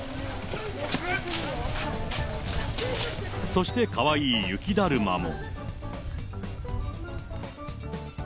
そしてかわいい雪だるまも。